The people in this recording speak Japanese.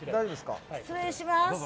失礼します。